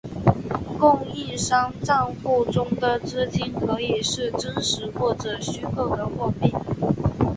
供应商帐户中的资金可以是真实或者虚构的货币。